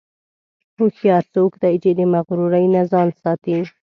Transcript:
هوښیار څوک دی چې د مغرورۍ نه ځان ساتي.